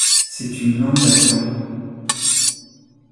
C'est une langue à tons.